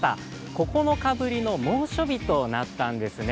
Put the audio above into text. ９日ぶりの猛暑日となったんですね。